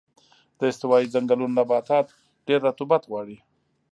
د استوایي ځنګلونو نباتات ډېر رطوبت غواړي.